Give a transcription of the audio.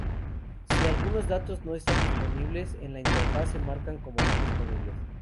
Si algunos datos no están disponibles, en la interfaz se marcan como no disponibles.